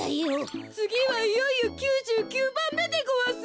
つぎはいよいよ９９ばんめでごわす。